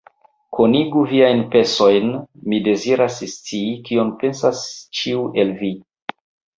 Konigu viajn pensojn, mi deziras scii, kion pensas ĉiu el vi!